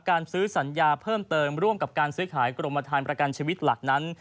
การซื้อสัญญาเพิ่มเติมร่วมกับการซื้อขายกรมฐานประกันชีวิตหลักนั้น